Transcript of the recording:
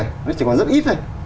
nó chỉ còn rất ít thôi